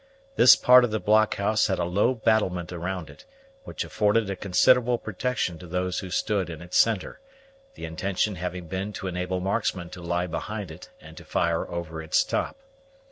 This part of the blockhouse had a low battlement around it, which afforded a considerable protection to those who stood in its centre; the intention having been to enable marksmen to lie behind it and to fire over its top.